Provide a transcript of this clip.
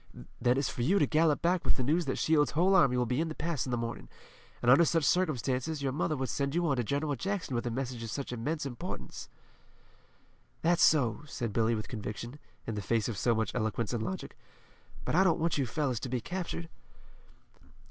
Then it's for you to gallop back with the news that Shields' whole army will be in the pass in the morning, and under such circumstances, your mother would send you on to General Jackson with a message of such immense importance." "That's so," said Billy with conviction, in the face of so much eloquence and logic, "but I don't want you fellows to be captured."